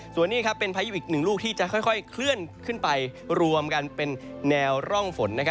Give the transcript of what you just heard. ส่วนนี้เป็นพายุอีกหนึ่งลูกที่จะค่อยเคลื่อนขึ้นไปรวมกันเป็นแนวร่องฝน